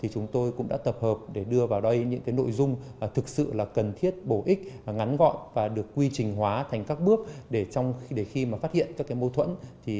chúng tôi cũng đã tập hợp để đưa vào đây những nội dung thực sự cần thiết bổ ích ngắn gọn và được quy trình hóa thành các bước khi phát hiện các mâu thuẫn